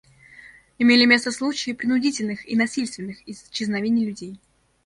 Имели место случаи принудительных и насильственных исчезновений людей.